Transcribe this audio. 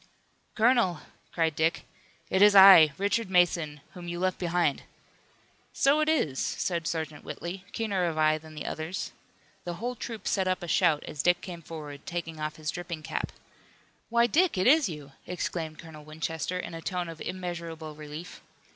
"Colonel," cried Dick, "it is I, Richard Mason, whom you left behind!" "So it is," said Sergeant Whitley, keener of eye than the others. The whole troop set up a shout as Dick came forward, taking off his dripping cap. "Why, Dick, it is you!" exclaimed Colonel Winchester in a tone of immeasurable relief.